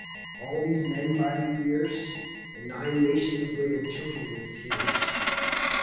All these men by the ears, And nine nations of women choking with tears.